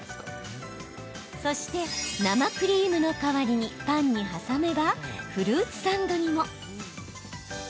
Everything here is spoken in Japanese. そして、生クリームの代わりにパンに挟めばフルーツサンドにも。